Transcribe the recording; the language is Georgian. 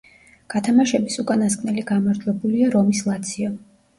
გათამაშების უკანასკნელი გამარჯვებულია რომის „ლაციო“.